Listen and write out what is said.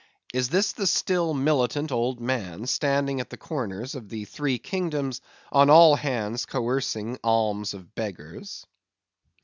Is this the still militant old man, standing at the corners of the three kingdoms, on all hands coercing alms of beggars?